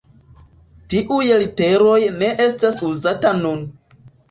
Tiuj literoj ne estas uzata nun.